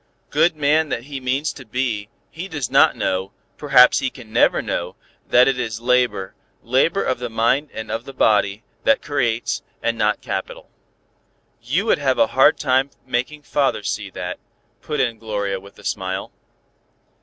Good man that he means to be, he does not know, perhaps he can never know, that it is labor, labor of the mind and of the body, that creates, and not capital." "You would have a hard time making Father see that," put in Gloria, with a smile.